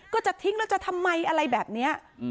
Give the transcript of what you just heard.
ก็จะทิ้งแล้วจะทำไมอะไรแบบนี้